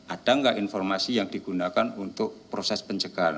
ada nggak informasi yang digunakan untuk proses pencegahan